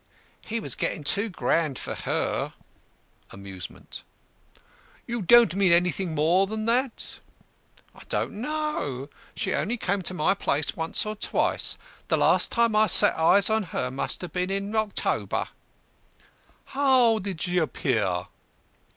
"He was getting too grand for her." (Amusement.) "You don't mean anything more than that?" "I don't know; she only came to my place once or twice. The last time I set eyes on her must have been in October." "How did she appear?"